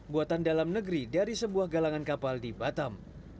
buatan dalam negeri dari sebuah galangan kapal di batam